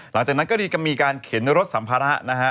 หลังจากนั้นก็มีการเข็นรถสัมภาระนะฮะ